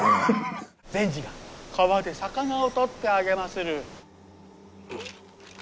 善児が川で魚を捕ってあげまする。